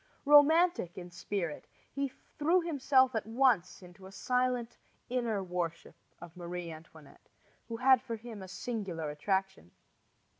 Romantic in spirit, he threw himself at once into a silent inner worship of Marie Antoinette, who had for him a singular attraction.